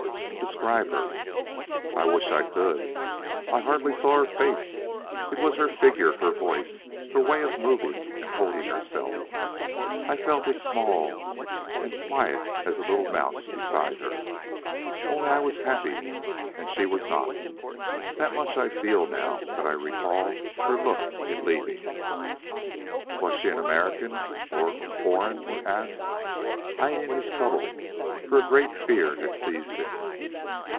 "Describe her." "I wish I could; I hardly saw her face; it was her figure, her voice, her way of moving and holding herself. I felt as small and quiet as a little mouse beside her. Only I was happy and she was not. That much I feel now that I recall her look in leaving." "Was she American or or foreign?" he asked, hiding his trouble, for a great fear had seized him.